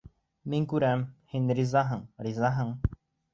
Мин күрәм: һин ризаһың, ризаһың!